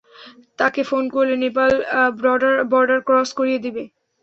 তাকে ফোন করলে Nepal border cross করিয়ে দিবে।